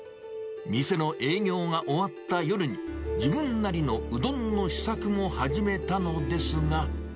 店の営業が終わった夜に、自分なりのうどんの試作も始めたのですが。